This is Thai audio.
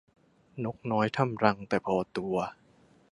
นกน้อยทำรังแต่พอตัว